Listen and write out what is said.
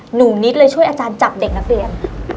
หนูนิดเลยช่วยอาจารย์จับเด็กนักเรียน